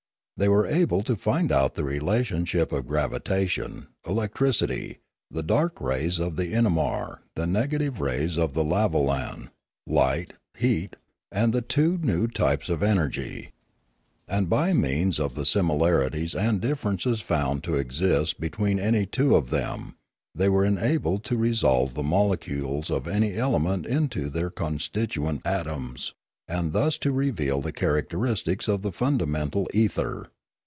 They were able to find out the relationships of gravitation, electricity, the dark rays of the inamar, the negative rays of the lavo Ian, light, heat, and the two new types of energy. And by means of the similarities and differences found to exist between any two of them they were enabled to resolve the molecules of any element into their con stituent atoms, and thus to reveal the characteristics of the fundamental ether.